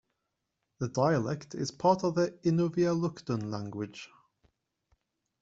The dialect is part of the Inuvialuktun language.